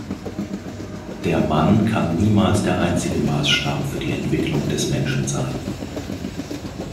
Der Mann kann niemals der einzige Maßstab für die Entwicklung des Menschen sein.